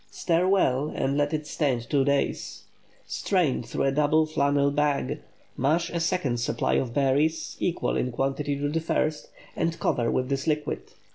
Stir well and let it stand two days. Strain through a double flannel bag; mash a second supply of berries, equal in quantity to the first, and cover with this liquid.